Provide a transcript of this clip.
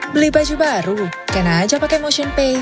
beli baju baru kena aja pake motionpay